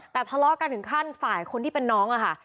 แต่ทะเลาะกันถึงขั้นฝ่ายคนที่เป็นน้องอะค่ะ